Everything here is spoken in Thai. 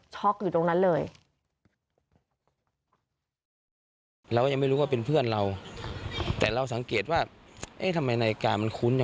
ช็อกอยู่ตรงนั้นเลย